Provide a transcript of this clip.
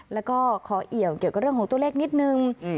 แล้วก็ขอเอี่ยวเกี่ยวกับเรื่องของตัวเลขนิดนึง